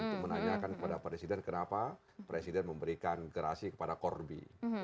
untuk menanyakan kepada presiden kenapa presiden memberikan gerasi kepada corby